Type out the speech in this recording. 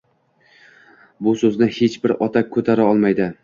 Bu so‘zni hech bir ota «ko‘tara olmaydi».